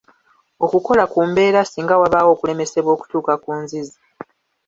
Okukola ku mbeera singa wabaawo okulemesebwa okutuuka ku nzizi.